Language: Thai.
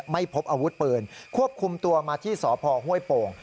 ไม่พบอาวุธปืนควบคุมตัวมาที่สพห้วยโป่ง